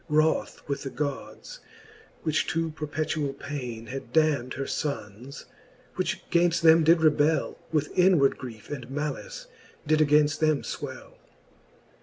Wroth with the Gods, which to perpetuall paine Had damn'd her fonnes, which gainft: them did rebell, With inward griefe and malice did againft them fwell.